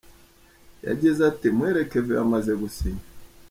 Yagize ati “Muhire Kevin yamaze gusinya.